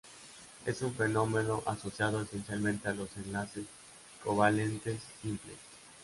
Es un fenómeno asociado esencialmente a los enlaces covalentes simples.